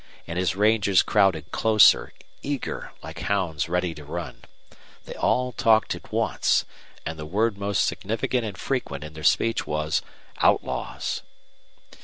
And his rangers crowded closer, eager, like hounds ready to run. They all talked at once, and the word most significant and frequent in their speech was "outlaws."